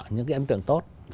những cái ấn tượng tốt